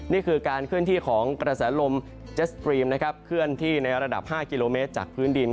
นี่คือการเคลื่อนที่ของกระแสลมเจสตรีมนะครับเคลื่อนที่ในระดับ๕กิโลเมตรจากพื้นดิน